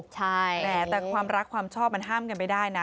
แต่ความรักความชอบมันห้ามกันไปได้นะ